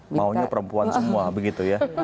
maunya perempuan semua begitu ya